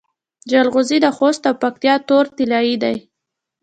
جلغوزي د خوست او پکتیا تور طلایی دي.